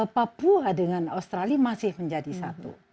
papua dengan australia masih menjadi satu